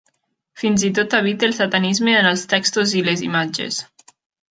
Fins i tot evita el satanisme en els textos i les imatges.